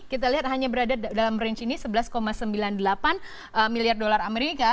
kita lihat hanya berada dalam range ini sebelas sembilan puluh delapan miliar dolar amerika